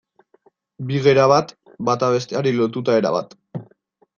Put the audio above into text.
Bi gera bat, bata besteari lotuta erabat.